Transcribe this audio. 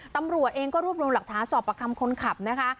ตำรวจเองก็รวบรวมหลักฐานสอบประคำคนขับนะคะ